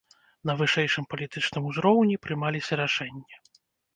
На вышэйшым палітычным узроўні прымаліся рашэнні.